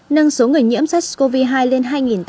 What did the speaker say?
nâng số người nhiễm sars cov hai lên hai tám trăm bảy mươi sáu